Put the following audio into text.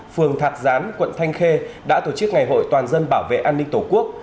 phường thạc gián quận thanh khê đã tổ chức ngày hội toàn dân bảo vệ an ninh tổ quốc